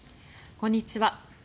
こんにちは。